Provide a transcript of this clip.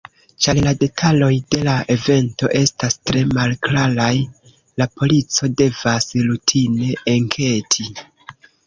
Ĉar la detaloj de la evento estas tre malklaraj, la polico devas rutine enketi.